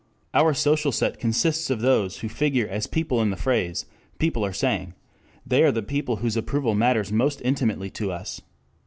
Our social set consists of those who figure as people in the phrase "people are saying"; they are the people whose approval matters most intimately to us.